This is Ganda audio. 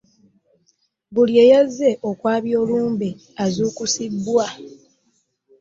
Buli eyazze okwabya olumbe, azuukusibwa.